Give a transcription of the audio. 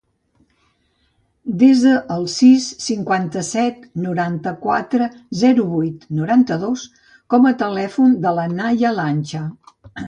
Desa el sis, cinquanta-set, noranta-quatre, zero, vuit, noranta-dos com a telèfon de la Nahia Lancha.